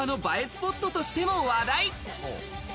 スポットとしても話題。